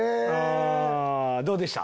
どうでした？